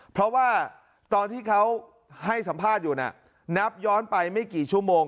เพราะว่าตอนที่เขาให้สัมภาษณ์อยู่น่ะนับย้อนไปไม่กี่ชั่วโมง